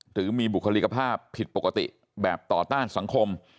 หรือมีบุคลิกภาพผิดปกติแบบต่อต้านสังคม